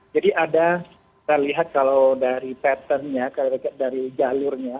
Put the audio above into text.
jadi ada kita lihat kalau dari pattern nya dari jalurnya